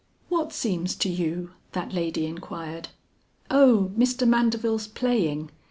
"What seems to you?" that lady inquired. "O, Mr. Mandeville's playing?